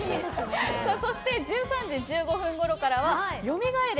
そして１３時１５分ごろからは甦れ！